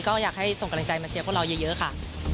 ก็อยากให้ส่งกำลังใจมาเชียร์พวกเราเยอะค่ะ